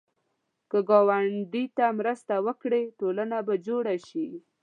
که ګاونډي ته مرسته وکړې، ټولنه به جوړه شي